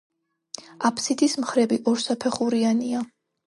აბსიდის მხრები ორსაფეხურიანია.